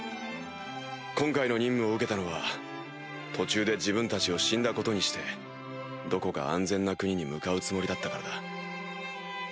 今回の任務を受けたのは途中で自分たちを死んだことにしてどこか安全な国に向かうつもりだったからだ。